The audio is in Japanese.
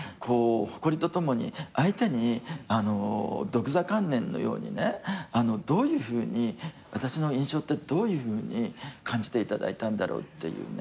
誇りとともに相手に独座観念のようにね私の印象ってどういうふうに感じていただいたんだろうという。